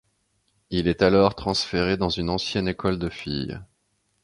Il est alors transféré dans une ancienne école de filles.